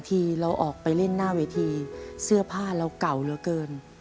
เราออกไปเล่นหน้าเวทีเสื้อผ้าเราเก่าเหลือเกิน